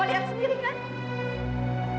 ibu lihat sendiri kan